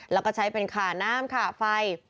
แล้วก็ใช้เป็นขาน้ำขาไฟ